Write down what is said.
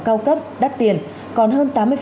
cao cấp đắt tiền còn hơn tám mươi